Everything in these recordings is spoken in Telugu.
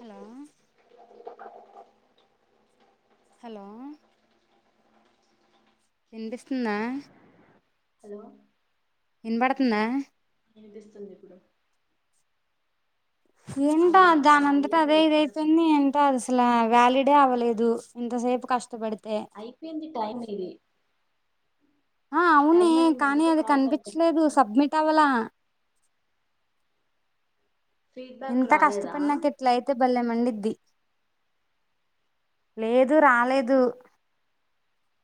హలో హలో విన్పిస్తుందా హలో ఇనబడుతుందా విందిస్తుంది ఇప్పుడు ఏంటో ఆవిడ రావాలి దానంతట అదే వచ్చిన తర్వాత ఇదైతుంది ఏంటో అదసల వ్యాలిడ్ అవ్వలేదు ఇంతసేపు కష్టపడి అయిపొయింది టైం ఇది ఆ అవునే టైం అయింది కానీ అందుకే అది కాల్ కట్ కనిపిచలేదు అయింది సబ్మిట్ అవ్వలా ఫీడ్బ్యాక్ ఇంత రాలేదా కష్టపడినాక ఇట్లైతే బల్లేమండి లేదు రాలేదు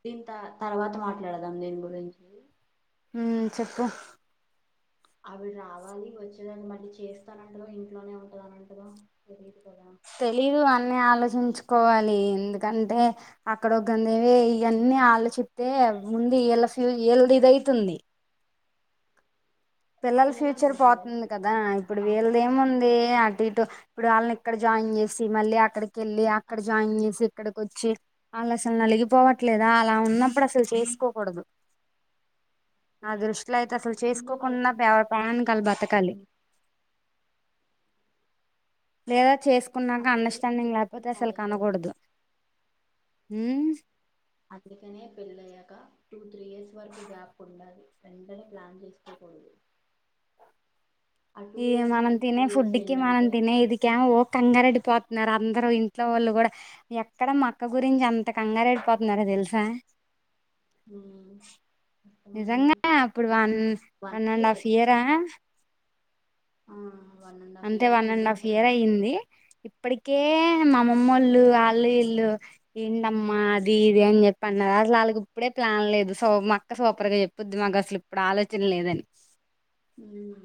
దీని త తర్వాత మాట్లాడదాం దీని గురించి మ్మ్ చెప్పు అవి రావాలి వచ్చేదాన్ని మళ్ళీ చేస్తానంటదో ఇంట్లోనే ఉంటద అనంటదో తెలీదుగా తెలీదు అన్నీ ఆలోచించుకోవాలి ఎందుకంటే అక్కడ ఒగన్నేవే అన్నీ ఆలోచితే ముందు ఏళ్ళ ఫ్యూ ఏయళ్ళ ఇదయితుంది అసలు పిల్లల పిల్లలు ఫ్యూచర్ ఎంతమంది పోతుంది కదా ఇప్పుడు వీళ్లది ఏముంది అటు ఇటు ఇప్పుడు వాళ్ళని ఇక్కడ జాయిన్ చేసి మళ్ళీ అక్కడ్ కెళ్ళి అక్కడ జాయిన్ చేసి ఇక్కడికోచ్చి వాళ్ళు అసలు నలిగిపోవట్లేదా అలా ఉన్నప్పుడు అసలు చేసుకోకూడదు నా దృష్టిలోయితే అసలు ముందు వాళ్ళకి చేసుకోకుండా ప్ ప్రణనికి కల్ చేసుకో. బతకాలి లేదా చేస్ ఆ కున్నాక పిల్లల అండర్స్టాండింగ్ ఎడ్యుకేషన్ లేకపోతే అసలు పాడైపోద్ది కనకూడదు అందుకనే పెళ్ళి అయ్యాక టూ త్రీ ఇయర్స్ వరకు గ్యాప్ ఉండాలి వెంటనే ప్లాన్ చేసుకోకడదు ఇగ మనం తినే ఫుడ్కి మనం తినే ఇదిక ఓ కంగరెడి పోతున్నారు అందరు ఇంట్లో వాళ్ళు కూడా ఎక్కడ మ అక్క గురించి అంత కంగారేడిపోతున్నారో తెలుసా మ్ నిజంగా అప్పుడు వన్ వన్ అండ్ హాఫ్ ఇయరా ఆ అంతే వన్ అండ్ హాఫ్ ఇయర్ అయింది ఇప్పటి కే మామమ్మ వాళ్ళు వాళ్ళ ఇల్లు ఏంటమ్మా అది ఇదని చెప్పి అన్నారు అసలు వాళ్ళకి ఇప్పుడే ప్లాన్ లేదు సో మక్క సూపర్గా చెప్పొద్ది మాకు అసలు ఇప్పుడు ఆలోచన లేదని మ్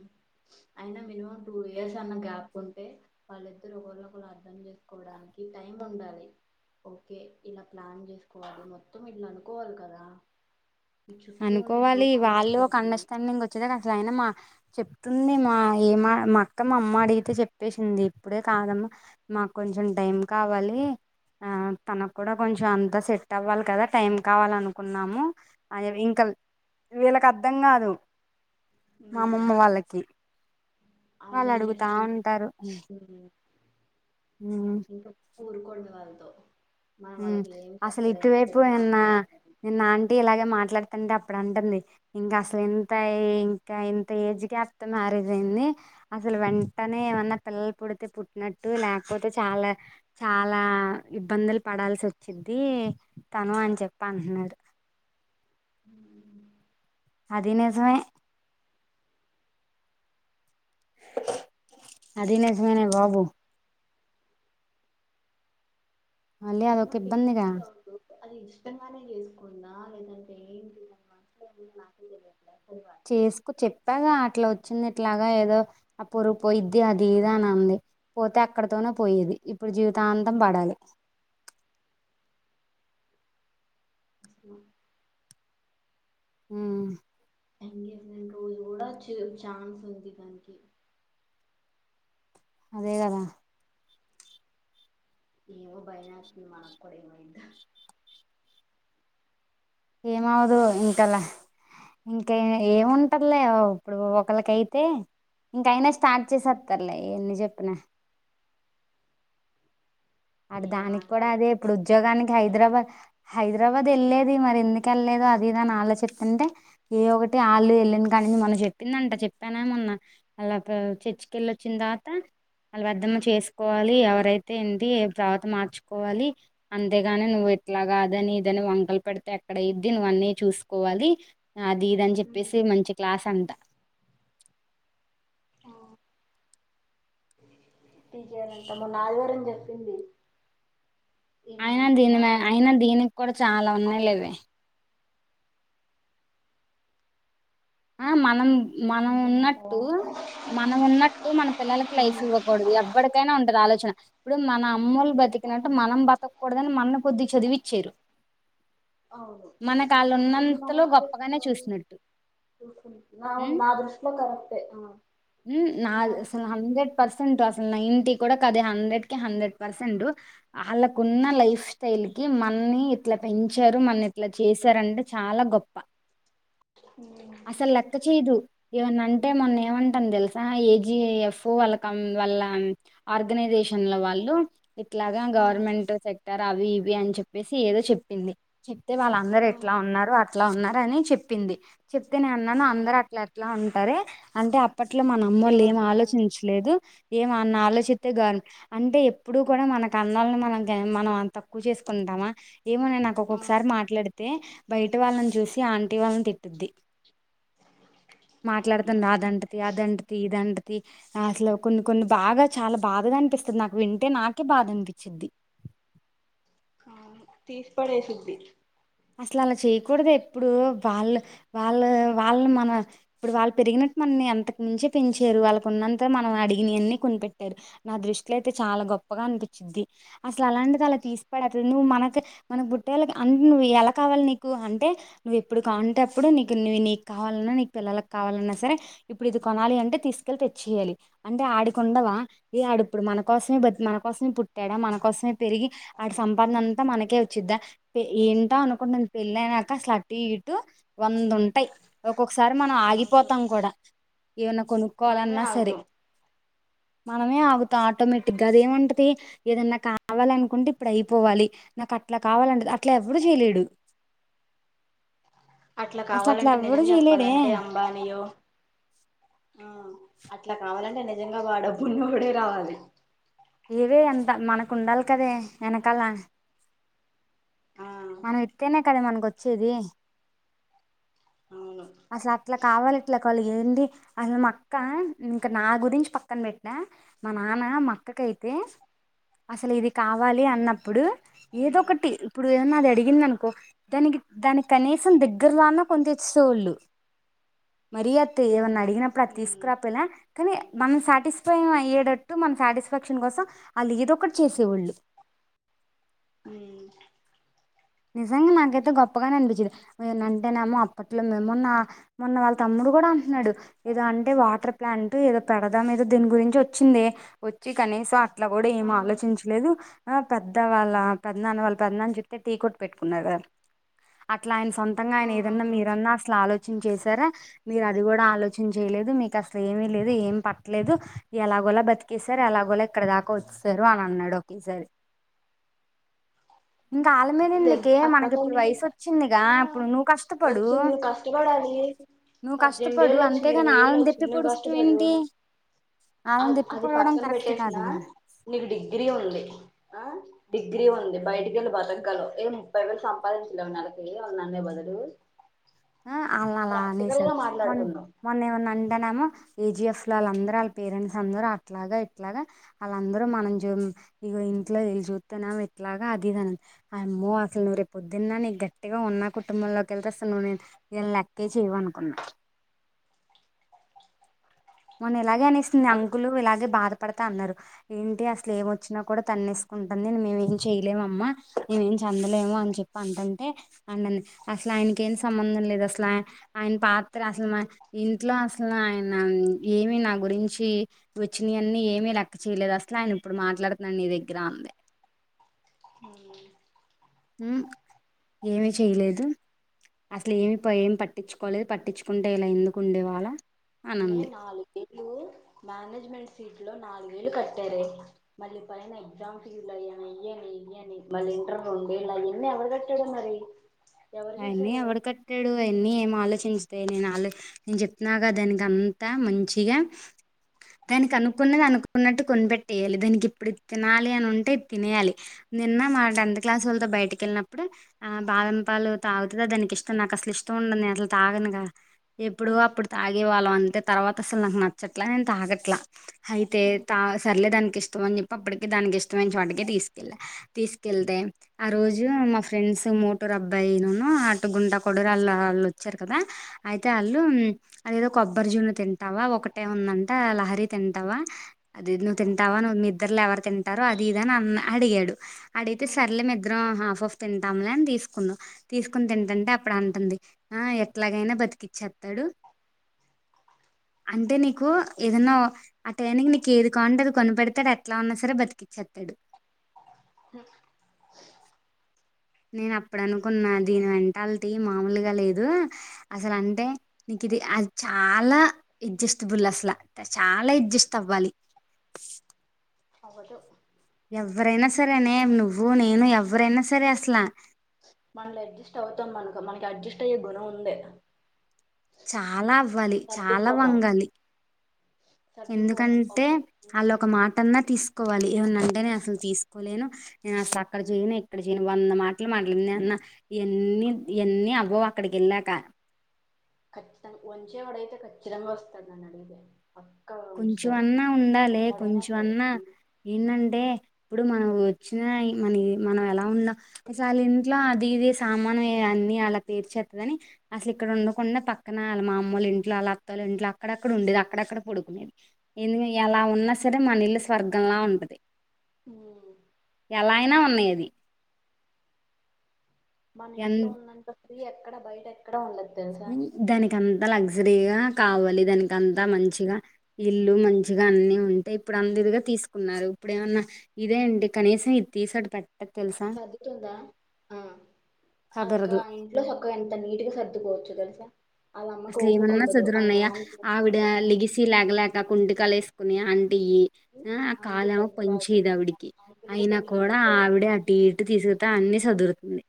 అయినా మినిమం టూ ఇయర్స్ అన్న గ్యాప్ ఉంటే వాళ్ళిద్దరు ఒకరిని ఒకరు అర్ధం చేసుకోవడాని కి టైమ్ ఉండాలి ఓకే ఇలా ప్లాన్ చేసుకోవాలి మొత్తం ఇల అనుకోవాలి కదా ఈ చుట్టూ ఉండే అనుకోవాలి సోకాల్ వాళ్ళు ఒక సొసైటీ అండస్టాండింగ్ వచ్చేదా అసలు అయినా మా చెప్తుంది మా ఏ మా మా అక్క మా అమ్మ అడిగితే చెప్పేసింది ఇప్పుడే కాదమ్మా మాకు కొంచెం టైం కావాలి ఆ తనకు కూడా కొంచెం అంత సెట్ అవ్వాలి కదా టైం కావాలనుకున్నాము అది ఇంకా వీళ్ళకి అర్థం కాదు మా అమమ్మ వాళ్ళకి ఆ వాళ్ళు అడుగుతా జనరేషన్ ఉంటారు మ్ ఊరుకొండి వాళ్ళతో మనం మ్ వాళ్ళకి ఏం అసలు చెప్పలేము ఇటువైపు చెప్పినా నిన్న అర్థం కాదు నిన్న ఆంటీ ఇలాగే మాట్లాడుతంటే అప్ ప్పుడు అంటుంది ఇంకా అసలు ఎంత ఇంకా ఇంత ఏజ్ గ్యప్ తో మ్యారేజ్ అయింది అస అసలు వెంటనే ఏమన్నా పిల్లలు పుడితే పుట్టినట్టు లేకపోతే చాలా చాలా ఇబ్బందులు పడాల్సి వచ్చింది తను అని చెప్పి అంటున్నారు హ అది నిజమే అది నిజమేనే బాబు మళ్ళీ అదొక నాకు ఇబ్బందిగా ఇప్పటికీ డౌట్ అది ఇష్టంగానే చేసుకుందా లేదంటే ఏంటి అని మన నాకే తెలియదు చేసుకు చెప్పాగా అట్లా వచ్ చ్చింది ఇట్లాగా ఏదో ఆ పరు పోయిద్ది అది ఇదని అంది పోతే అక్కడితోనే పోయేది ఇప్పుడు జీవితాంతం పడాలి వస్లు మ్ ఎంగేజ్మెంట్ రోజు కూడా చ ఛాన్స్ ఉంది దానికి అదే కదా నీకు భయం ఏస్తుందా నాక్కూడ ఏమీ వేయాలే ఏమిఅవ్వదు ఇంకలా ఇంక ఏముంటరులే ఇప్పుడు ఒకళ్ళు అయితే. ఇంకయినా స్టార్ట్ చేసేస్తారులే ఎన్ని చెప్పినా వాడు ఏ అలా దానికి కూడా అంటావ్ అదే ఇప్పుడు ఉద్యోగానికి హైదరాబాద్ హైదరాబాద్ వెళ్ళేది మరి ఎందుకు వెళ్ళలేదో అది ఇది అని ఆలోచిస్తా ఉంటే ఏ ఒకటి ఆళ్లే వెళ్ళింది కానీ మనం చెప్పిందంట చెప్పాన ఏమొన్నా అలా చర్చికి వెళ్లొచ్చిన తర్వాత వాళ్ళ వ్రతం చేసుకోవాలి ఎవరైతే ఏంటి తర్వాత మార్చుకోవాలి. అంతేగాని నువ్వు ఎట్లా కాదని ఇదని వంకలు పెడితే ఎక్కడయిద్ది నువ్వు. అనే చూసుకోవాలి అది ఇదని చెప్పేసి మంచి క్లాస్ అంట. టీకేయెంట మొన్న ఆదివారం చెప్పింది. ఇలా అయినా దీని అంటున్నారు అయినా దీనికి కూడా చాలా ఉన్నాయి అవు- లేవే ఆ మనం మనం అంతేనంటావా ఉన్నట్టు మనం ఉన్నట్టు మన పిల్లలకి లైఫ్ ఇవ్వకూడదు. ఎవ్వడికైన ఉంటది ఆలోచన. ఇప్పుడు మన అమ్మమ్మలు బతికినట్టు అవును మనం బతక కూడదని మనల్ని కొద్ది చదివిచ్చారు. అవును మనకు వాళ్ళున్నంతలో గొప్పగానే చూసినట్టు. అవును ఉమ్ నా దృష్టిలో కరెక్టే. నా నేను యాక్సెప్ట్ హండ్రెడ్ పర్సెంట్ అ నైన్టీ కూడా కాదే హండ్రెడ్ కి హండ్రెడ్ పర్సెంట్ వాళ్ళకున్న లైఫ్ స్టైల్ కి మన మనల్ని ఇట్లా పెంచారు మనల్ని ఇట్లా చేసారంటే చాలా గొప్ప. అసలు లెక్క చేయదు. ఏమన్న అంటే మొన్న ఏమంటే తెలుసా ఏజిఎఫ్ఓ వాళ్ళ వాళ్ళ ఆర్గనైజేషన్ల వాళ్ళు ఇట్లాగ ఆ గవర్నమెంట్ సెక్టార్ అవి ఇవి అని చెప్పేసి ఏదో చెప్పింది. చెప్తే వాళ్ళందరు ఆ ఎట్లా ఉన్నారు, అట్లా ఉన్నారు అని చెప్పింది. చెప్తే నేను అన్నాను ఆ అందరూ అట్లా ఎట్లా ఉంటారే అంటే అప్పట్లో మన అమ్మోళ్ళు ఏం ఎవరికున్నంత ఆలోచించలేదు ఏమన్నా ఆలోచిస్తే గౌరవం అంటే ఎప్పుడూ కూడా మనకు కన్నోళ్లని మనం మనం తక్కువ చేసుకుంటామా ఏమన్నా అమ్మా ఏమోనే నాకు ఆ ఒక్కొక్కసారి మాట్లాడితే బయట వాళ్ళని చూసి ఆంటీ వాళ్ళని తిట్టుద్ది అవును మాట్లాడుతుంది అదంటది అదంటది ఇదింటది అసలు కొన్ని కొన్ని బాగా చాలా బాధగా అనిపిస్తుంది నాకు వింటే నాకే బాధ అనిపించిద్ది. [inaudible] తీసేపడేసిద్ది. అసలు అలా చేయకూడదు ఎప్పుడూ వాళ్ళు వాళ్ళ వాళ్ళు మన ఇప్పుడు వాళ్ళు పెరిగినట్టు మనని అంతకు మించే పెంచారు. వాళ్ళకు ఉన్నంతలో మనం అడిగిన వన్నీ కొనిపెట్టారు. నా దృష్టిలో అయితే చాలా గొప్ప గా అనిపించిద్ది. అసలు అలాంటిది అలా తీసి పడేస్తాంది. నువ్వు మన మన పుట్టే వాళ్లకి అన్నీ నువ్వు ఎలా కావాలి నీకు అంటే నువ్వు ఎప్పుడు కావాలంటే అప్పుడు నీకు నీవు నీకు కావాలన్నా నీకు పిల్లలలకు కావాలన్నా సర్ ఇప్పుడు ఇది కొనాలి అంటే తీసుకెళ్ళి తెచ్చియాలి. అంటే ఆడకుండవా ఏ ఆడిప్పుడు మన కోసమే మన కోసమే పుట్టాడా? మన కోసమే పెరిగి ఆడి సంపాదన అంతా మనకే వచ్చిద్దా ఏ అనుకుంటుంది పెళ్ళైనాక అటు ఇటు వంద ఉంటాయి ఒక్కొక్క సారి మనం అవును ఆగిపోతాం కూడా. ఏమన్నా మనమే కొనుక్కోవాలన్నా సరే ఆగుతాం మనమే ఆగుతాం ఆటోమేటిక్ గా అదేమంటది. ఏదన్నా కావాల అనుకుంటే ఇప్పుడు అయిపోవాలి నాకు అట్లా కావాలంటే అట్లా ఎప్పుడూ చేయలేడు. అట్లా అసలు కావాలంటే ఎవ్వడు నిజం చేయలేడే చెప్పాలంటే అంబానీయో. అట్లా కావాలంటే నిజంగా బాడబ్బున్నోడే రావాలె. ఇవే అంత మనకు ఉండాలి కదే ఎనకాల. ఆ మనం ఇత్తేనే కదే మనకొచ్చేది. అవును అసలు అట్లా కావాలి ఇట్లా కావాలి. ఏంది అసలు మా అక్క ఇంక నా గురించి పక్కన పెట్టినా, మా నాన్న మా అక్కకైతే తే అసలు ఇది కావాలి అన్నప్పుడు ఏదో ఉమ్ ఒకటి ఇప్పుడు నాది అడిగిందనుకో దానికి దానికి కనీసం దగ్గర్లో అన్నా కొనితెచ్చేటోళ్ళు. మరి అత్తయి ఏమన్నా అడిగినప్పుడు అది ఉమ్ తీసుకురాకపోయినా కనీ మనం సాటిస్పాయింగ్ అయ్యేటట్టు, మన సాటిస్ఫాక్షన్ కోసం ఆళ్ళు ఏదొ ఒకటి చేసేవొళ్ళు. హ్ నిజంగా నాకైతే గొప్పగానే అనిపిచ్చేది. ఎమన్నా అంటేనేమో అప్పట్లో మేంమొన్నా మొన్న వాళ్ళ తమ్ము డుకూడా అంటున్నాడు. ఏదో అంటే వాటర్ ప్లాంట్ ఏదో పెడదాం ఏదో దీని గురించి వచ్చిందె వచ్చి క నీసం అట్లా కూడా ఏం ఆ ఆలోచించలేదు. ఆ పెద్ద వాళ్ళ పెద్నాన్న వాళ్ళ పెద్నాన్న చెప్తే టీ కొట్ పెట్టుకున్నారు ఆళ్ళు అట్లా ఆయన సొంతంగా ఆ ఆయన ఏదన్నా అవును మీరన్నా అసలు ఆలోచించేసి చూసారా మీరు అది కూడా ఆలోచన చేయలేదు. మీకు అసలు ఏమీ లేదు, ఏమి పట్టలేదు. ఎలాగోలా బతి కేస్తారు. ఎలాగోలా ఇక్కడ దాకా వచ్చేసారు అని అన్నాడు ఒకేసారి. ఇంకా ఆళ్ళా మీదేందు లేదు కే అక్క మనకి ఇప్పుడు తమ్ముడు వయసు వచ్చిందిగా, ఆ ఇప్పుడు నువ్వు కష్టపడు. వచ్చింది నువ్వు కష్టపడాలి నువ్వు పద్దెనిమిది కష్టపడు ఏళ్ళు వచ్చినయి అంతేగాని ఇరవై ఆళ్ని దెప్పి పొడుస్తవు ఏంటి. ఆ ఆళ్ళని తిప్పి అది పొడవడం పక్కన కరెక్ట్ పెట్టేసినా కాదుగా నీకు డిగ్రీ ఉంది. ఆ డిగ్రీ ఉంది బయటికెళ్ళి బతకగలవు. ఏ ముప్పై వేలు సంపాదించలేవా నెలకి వాళ్ళని అనే బదలు. ఆ అల్లను అలా అనేసాడు మొ మొన్న ఏమన్నా అంటనేమో ఏజిఎఫ్ లో వాళ్ళందరూ వాళ్ళ పేరెంట్స్ అందరు అట్లాగా ఇట్లాగా వాళ్ళందరూ మనం జం ఇగో ఇంట్లో ఇది చూత్తనేమో ఇట్లాగా అది ఇగా అమ్మో అసలు నువ్వు రేపు పొద్దున్న నీకు గట్టిగా ఉన్నా కుటుం బం లోకి వెళ్తే అస్సలు నువ్వు నే ఇళ్ళని లెక్కేచెయ్యవు అనుకున్నా. మొన్న ఇలాగే అనేసింది. అది అంకులు ఇలాగే బాధపడతా అన్నారు ఏంటి అసలు ఏమొచ్చినా కూడా తన్నేసి కుంటంది మేము ఏం చెయలేమమ్మా. మేము ఏం చెందలేము అని చెప్పి అంటంటే ఆంటీ అన్నది అస్సలా ఆయనకి ఏం సంబంధం లేదు అసలు. ఆ ఆయన పాత్ర అసలు ఇంట్లో అసలు ఆయన ఏమి నా గురించి వచ్చినయన్నీ ఏమి లెక్క చేయలేదు, అసలు ఆయన ఇప్పుడు మాట్లాడుతున్నారు నీ దగ్గరా. వే అవునా హ్ ఏమి చేయలేదు. అసలు ఏమి పయి ఏమి పట్టించుకోలేదు. పట్టించుకుంటే ఇలా ఎందుకు ఉండేవాళ్ళం. అమ్మీ నాలుగేళ్ళు మేనేజ్మెంట్ సీట్లో నాలుగేళ్ళు కట్టారె. మళ్ళీ పైన ఎగ్జామ్ ఫీజ్లని అయ్యని ఇయ్యని ఇయ్యని మళ్ళీ ఇంటరు రొండెళ్ళయింది ఎవరు కట్టాడో మరి. ఎవరు అయన్నీ చూసారే ఎవడు కట్టాడు అయన్నీ ఏం ఆలోచి ంచదే నేను అలో నేను చెప్తున్నాగా దానికి అంతా మంచిగా దానికి అనుకున్నది అనుకున్నట్టు కొనిపెట్టేయాలి. దానికి ఇప్పుడు ఇది తినాలి అని ఉంటే తినేయాలి. నిన్న మా టెన్త్ క్లాస్ వాళ్ళతో బయటికి వెళ్ళినప్పుడు ఆ బాదంపాలు తాగుతదా దానికి ఇష్టం నాకు అసలు ఇష్టం ఉండదు. నేను అట్లా తాగనుగా ఎప్పుడు అప్పుడు తాగేవాళ్ళం అం తే తర్వాత అసలు నాకు నచ్చట్లా నేను తాగట్లా. అయితే తా సర్లేదానికి ఇష్టం అని చెప్పి అప్పటికి దానికి ఇష్టమైన చోటుకే తీసుకెళ్ళా, తీసుకెళ్తే ఆ రోజు మా ఫ్రెండ్స్ మోటరు అబ్బాయి ఉన్ను అటు గుంటకొడూరు ఆళ్ళు ఆళ్ళు వచ్చారు కదా అయితే ఆళ్ళు అది ఏదో కొబ్బరి జున్ను తిం టావా ఒకటే ఉందంట లహరి తింటావా అది నువ్వు తింటావా నువ్వు మీ ఇద్దరులో ఎవరు తింటారు అ ఇదా నన్ను అడిగాడు అడిగితే సర్లే ఇద్దరం హాఫ్ హాఫ్ తింటాములే అని తీసుకున్నా, తీసుకుని తింటుంటే అప్పుడు అంటుంది ఆ ఎట్లాగైనా బతికిచ్చేస్తాడు అంటే నీకు ఏదైనా ఆ టైయనికి నీకు ఏది కావంటే అది కొనపెడతడు ఎట్లా ఉన్నా సరే బతికిచే తాడు హు నేను అప్పుడనుకున్నా దీని మెంటాలిటీ మామూలుగా లేదు. అసలు అంటే నీకు ఇది య చాలా ఎడ్జస్ట్బుల్ అసలా చాలా ఎడ్జస్ట్ అవ్వాలి అవుదు ఎవరైనా సరే అనే నువ్వు నేను ఎవ్వరైనా సరే అసలా మళ్ళా అడ్జస్ట్ అవుతాం మనకు మనకి అడ్జస్ట్ అయ్యే గుణం ఉంది. చాలా అవ్వాలి చాలా సర్దుకుపోతాం వంగలి సర్దుకుపోతాం ఎందుకంటే ఓకే వాళ్ళ ఒక మాటన్నా తీసుకోవాలి ఏమన్నాంటే నేన్ అసలు తీసుకోలేను నేను అసలు అక్కడ చేయను ఎక్కడ చేయను వంద మాటలు మాట్లడింది నేను అన్న ఎన్ని ఎన్ని అవ్వవు అక్కడికి వెళ్ళాక ఖచ్చితంగా వంచేవాడయితే ఖచ్చితంగా వస్తాడు నాన్ని అడిగితే. పక్కాగా ఉంచుతాడు కొంచెమన్నా ఉండాలే ఎక్కడైనా కొంచెమన్నా సరే ఏంనంటే ఇప్పుడు మనం వచ్చిన మన మనం ఎలా ఉన్నా అసలు ఇంట్లో అది ఇది సామానమే అది అలా పేరు చెత్తదని అసలు ఇక్కడ ఉండకుండా పక్కన మా అమ్మలు ఇంట్లో వాళ్ల అత్తల ఇంట్లో అక్కడక్కడ ఉ ది అక్కడక్కడ పడుకునేది ఎందుకు ఎలా ఉన్నా సరే మన ఇల్లు స్వర్గంలా ఉంటది. ఉ వాళ్ల ఆయన ఉన్నింది మన ఇంట్లో ఉన్నంత ఫ్రీ ఎక్కడ బయట ఎక్కడ ఉండదు. తెలుసా దానికి అంతా లాగ్ లగ్జరీగా కావాలి దానికి అంతా మంచిగా ఇల్లు మంచిగా అన్ని ఉంటాయి ఇప్పుడు అదిదిగా తీసుకున్నారు ఇప్పుడేమన్నా ఇదేంటి కనీసం ఇది తీసాడు పెట్ట సర్దుతుందా ఆ అక్క సదరదు ఇంట్లో చక్కగా ఎంత నీటిగా సర్దుకోవచ్చు తెలుసా. వాళ్ళ అమ్మకు అసలు ఓపిక ఏమన్నా ఉండదు వాళ్ళ సజ్జురున్నాయా నాన్నకి ఆవిడ ఉండదు లిగిసి లేగలేక కుండకాలేసుకుని అ టియి ఆ ఆంటీ కాలు ఏమో హెల్త్ పని చేయదు బాగోదు ఆవిడికి అంకులు అయినా కొంచెం కూడా హెల్త్ ఆవిడే అటు ఇటు తీసు మిగతా అన్ని సదురుతుంది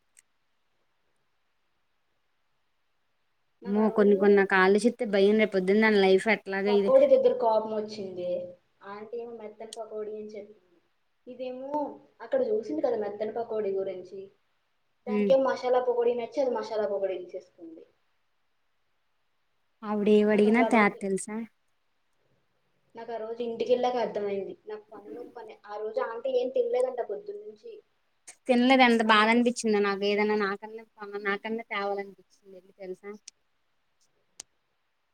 నాకు మో ఆ కొన్ని రోజు కొన్ని ఆలోచిస్తే భయం రేపోద్దునా లైఫ్ ఎట్లాగా ఇది పకోడి దగ్గర కోపం వచ్చింది అంటే ఏమో మెత్తని పకోడి అని చెప్పి ఇదేమో అక్కడ చూసింది కదా మెద్దని పకోడి గురించి ఉమ్, దానికేం మసాలా పాకోడి నచ్చి అది మసాలా పాకోడి ఇచ్చేసుకుంది. అవిడ ఏ నాకు అడిగినా అప్పుడు త్యాదు తెలుసా నాకు ఆ రోజు ఇంటికెళ్ళక అర్థమయింది ఆ రోజు ఆంటీ ఏం తినలేదంట పొద్దున్ననుంచి తినలేదంట బాధ అనిపించింది నాకు ఏదైనా నా [unintelligible] నా కన్నా నాకన్నా తేవాలనిపించింది వెళ్ళి తెలుసా.